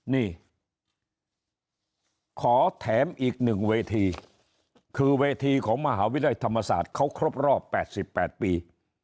นี่ขอแถมอีกหนึ่งเวทีคือเวทีของมหาวิทยาลัยธรรมศาสตร์เขาครบรอบ๘๘ปี